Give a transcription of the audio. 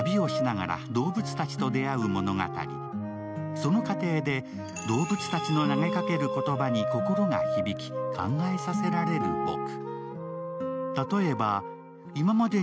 その過程で、動物たちの投げかけられる言葉に心が響き、考えさせられるぼく。